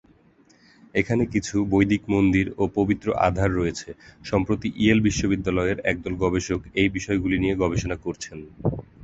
এখানে কিছু বৈদিক মন্দির ও পবিত্র আধার রয়েছে, সম্প্রতি ইয়েল বিশ্ববিদ্যালয়ের একদল গবেষক এই বিষয়গুলি নিয়ে গবেষণা করছেন।